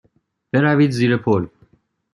بروید زیر پل.